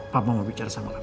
papa mau bicara sama kamu